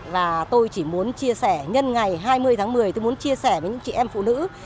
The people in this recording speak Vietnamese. và tôi chỉ muốn chia sẻ nhân ngày hai mươi tháng một mươi tôi muốn chia sẻ với những chị em phụ nữ